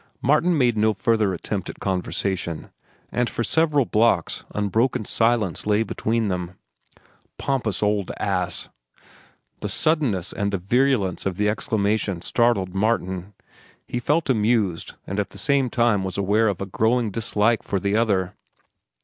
Martin made no further attempt at conversation, and for several blocks unbroken silence lay upon them. "Pompous old ass!" The suddenness and the virulence of the exclamation startled Martin. He felt amused, and at the same time was aware of a growing dislike for the other.